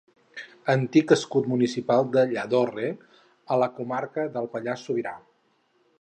Antic escut municipal de Lladorre, a la comarca del Pallars Sobirà.